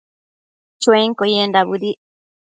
Chuenquio yendac bëdic